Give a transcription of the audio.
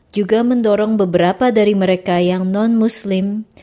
juga mendorong beberapa dari mereka yang non muslim